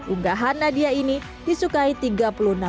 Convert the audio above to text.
uunggahan nadia ini disukai tiga puluh enam lebih warga net